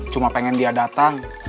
cuma pengen dia datang